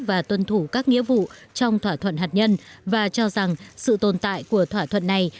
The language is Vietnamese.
và tuân thủ các nghĩa vụ trong thỏa thuận hạt nhân và cho rằng sự tồn tại của thỏa thuận này